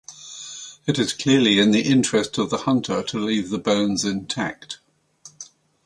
It is clearly in the interest of the hunter to leave the bones intact.